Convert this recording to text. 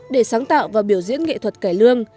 để sáng tạo và biểu diễn nghệ thuật cải lương